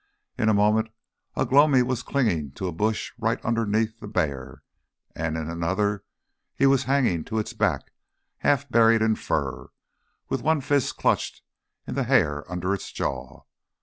In a moment Ugh lomi was clinging to a bush right underneath the bear, and in another he was hanging to its back half buried in fur, with one fist clutched in the hair under its jaw.